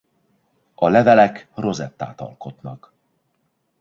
A levelek rozettát alkotnak.